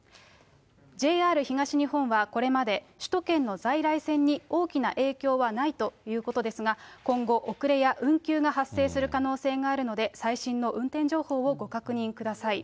ＪＲ東日本は、これまで首都圏の在来線に大きな影響はないということですが、今後、遅れや運休が発生する可能性があるので、最新の運転情報をご確認ください。